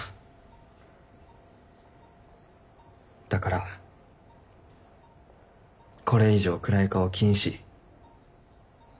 だからこれ以上暗い顔禁止。